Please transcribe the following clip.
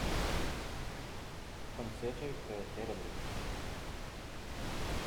Concerto per Theremin.